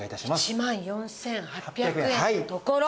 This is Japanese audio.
１万４８００円のところ。